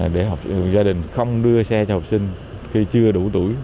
để gia đình không đưa xe cho học sinh khi chưa đủ tuổi